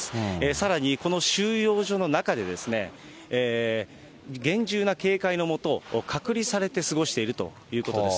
さらに、この収容所の中でですね、厳重な警戒の下、隔離されて過ごしているということです。